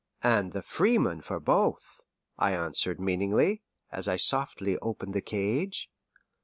"And the freeman for both," I answered meaningly, as I softly opened the cage.